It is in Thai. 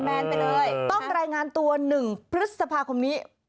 ต้องแรงงานตัว๑พฤศภาคมนี้